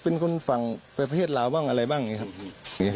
เป็นคนฝั่งประเทศลาวบ้างอะไรบ้างอย่างนี้ครับ